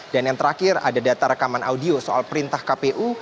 dan yang terakhir ada data rekaman audio soal perintah kpu